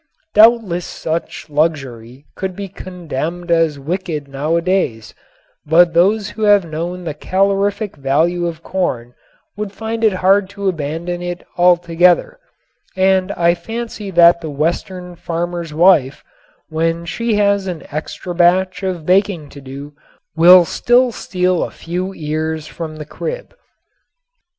Doubtless such luxury would be condemned as wicked nowadays, but those who have known the calorific value of corn would find it hard to abandon it altogether, and I fancy that the Western farmer's wife, when she has an extra batch of baking to do, will still steal a few ears from the crib.